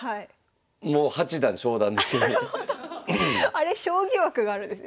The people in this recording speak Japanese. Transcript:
あれ将棋枠があるんですね。